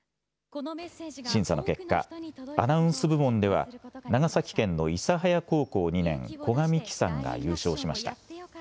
審査の結果、アナウンス部門では長崎県の諫早高校２年生古賀美希さんが優勝しました。